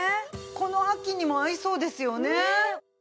この秋にも合いそうですよね。